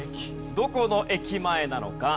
どこの駅前なのか。